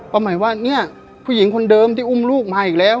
ประมาณว่าเนี่ยผู้หญิงคนเดิมที่อุ้มลูกมาอีกแล้ว